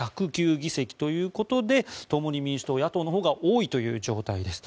議席ということで共に民主党、野党のほうが多い状態です。